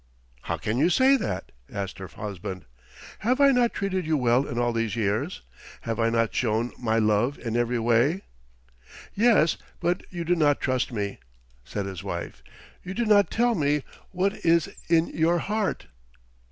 "How can you say that?" asked her husband. "Have I not treated you well in all these years? Have I not shown my love in every way?" "Yes, but you do not trust me," said his wife. "You do not tell me what is in your heart."